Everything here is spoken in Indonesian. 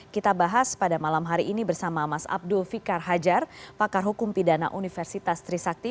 kita bahas pada malam hari ini bersama mas abdul fikar hajar pakar hukum pidana universitas trisakti